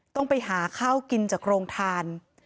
ต้องไปหาข้าวกินจากโรงทาน